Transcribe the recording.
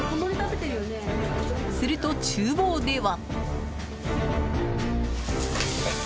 すると、厨房では。